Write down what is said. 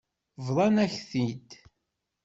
Bḍant-ak-t-id.